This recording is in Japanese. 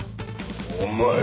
お前！